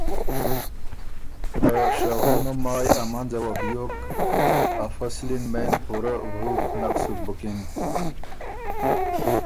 ته شهُمه مایٛ ا منځ وه بیوک، ا فصلی مېن پُورۀ ورُوک نک سُک بُکِن